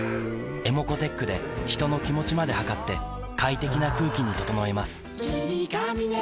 ｅｍｏｃｏーｔｅｃｈで人の気持ちまで測って快適な空気に整えます